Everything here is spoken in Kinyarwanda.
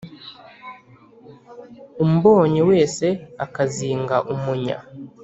umbonye wese akazinga umunya.